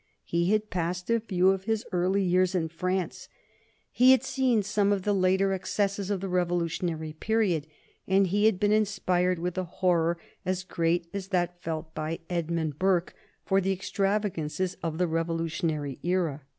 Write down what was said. He had passed a few of his early years in France, he had seen some of the later excesses of the revolutionary period, and he had been inspired with a horror as great as that felt by Edmund Burke for the extravagances of the revolutionary era.